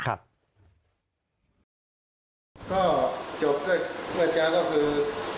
ก็จบเมื่อเจ้าก็คือ